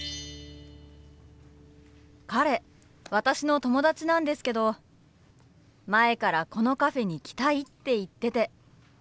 彼私の友達なんですけど前からこのカフェに来たいって言ってて。